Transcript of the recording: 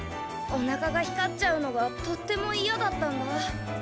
おなかが光っちゃうのがとってもいやだったんだ。